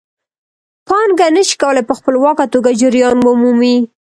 پانګه نشي کولای په خپلواکه توګه جریان ومومي